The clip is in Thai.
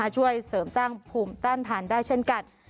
ช่วยเสริมสร้างภูมิต้านทานได้เช่นกัน